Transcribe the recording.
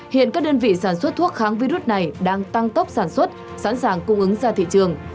hiện các đơn vị sản xuất thuốc kháng virus này đang tăng tốc sản xuất sẵn sàng cung ứng ra thị trường